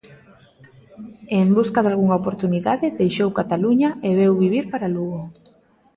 En busca dalgunha oportunidade deixou Cataluña e veu vivir para Lugo.